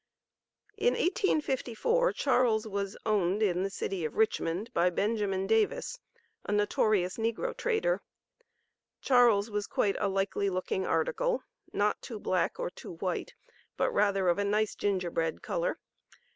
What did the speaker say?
In 1854 Charles was owned in the city of Richmond by Benjamin Davis, a notorious negro trader. Charles was quite a "likely looking article," not too black or too white, but rather of a nice "ginger bread color."